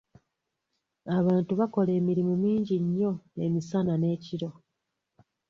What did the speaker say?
Abantu bakola emirimu mingi nnyo emisana n'ekiro.